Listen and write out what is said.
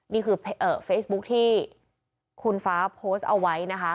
นี่คือเฟซบุ๊คที่คุณฟ้าโพสต์เอาไว้นะคะ